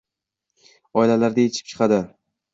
oilalarda yetishib chiqadi.